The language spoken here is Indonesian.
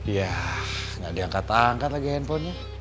iya gak diangkat angkat lagi handphonenya